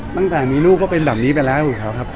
นางต่างมีลูกก็เป็นแบบนี้ไปแล้วครับ